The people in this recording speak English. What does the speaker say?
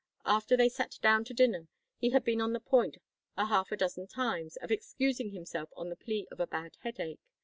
After they sat down to dinner, he had been on the point a half a dozen times, of excusing himself on the plea of a bad headache.